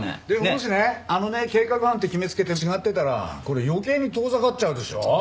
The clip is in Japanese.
でももしねあのね計画犯って決めつけて違ってたらこれ余計に遠ざかっちゃうでしょ！